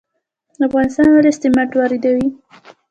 افغانستان ولې سمنټ واردوي؟